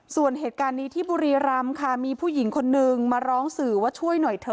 ส่วนเหตุการณ์นี้ที่บุรีรำค่ะมีผู้หญิงคนนึงมาร้องสื่อว่าช่วยหน่อยเถอะ